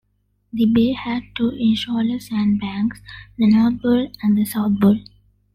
The bay had two inshore sand banks, the North Bull and the South Bull.